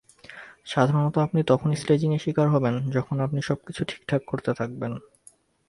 সাধারণত আপনি তখনই স্লেজিংয়ের শিকার হবেন, যখন আপনি সবকিছু ঠিকঠাক করতে থাকবেন।